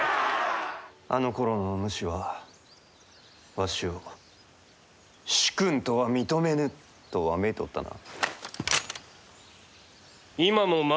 あのころのお主はわしを「主君とは認めぬ」とわめいておったな。